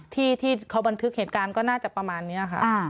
ที่เขาบันทึกเหตุการณ์ก็น่าจะประมาณนี้ค่ะ